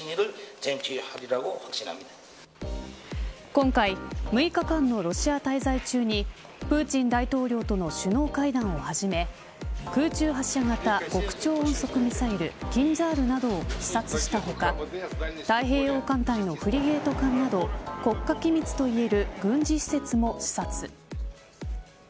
今回、６日間のロシア滞在中にプーチン大統領との首脳会談をはじめ空中発射型極超音速ミサイルキンジャールなどを視察した他太平洋艦隊のフリゲート艦など国家機密といえる軍事施設も視察。